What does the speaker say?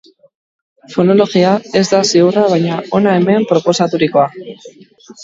Fonologia ez da ziurra baina hona hemen proposaturikoa.